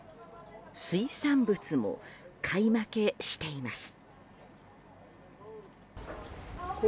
水産物も買い負けしています。